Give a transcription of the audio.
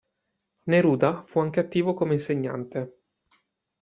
Neruda fu anche attivo come insegnante.